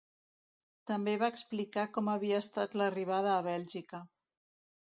També va explicar com havia estat l’arribada a Bèlgica.